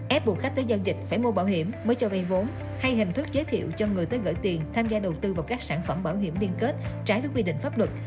ép buộc khách tới giao dịch phải mua bảo hiểm mới cho vay vốn hay hình thức giới thiệu cho người tới gỡ tiền tham gia đầu tư vào các sản phẩm bảo hiểm liên kết trái với quy định pháp luật